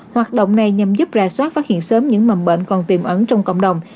hoạt động này nhằm giúp rà soát phát hiện sớm những mầm bệnh còn tiềm ẩn trong cộng đồng